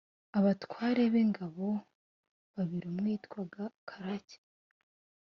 abatware b ingabo babiri umwe yitwaga karake